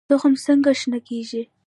تخم څنګه شنه کیږي؟